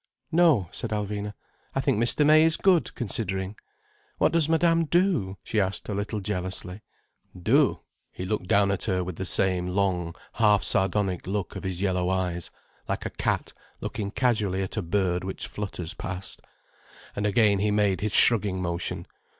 "No," said Alvina. "I think Mr. May is good, considering. What does Madame do?" she asked a little jealously. "Do?" He looked down at her with the same long, half sardonic look of his yellow eyes, like a cat looking casually at a bird which flutters past. And again he made his shrugging motion.